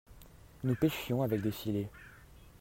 nous pêchions avec des filets.